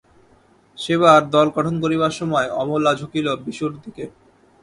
সে-বার দল গঠন করিবার সময় অমলা ঝুঁকিল বিশুর দিকে।